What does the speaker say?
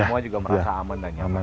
semua juga merasa aman dan nyaman